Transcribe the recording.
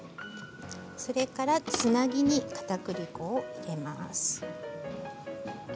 それから、つなぎにかたくり粉を入れます。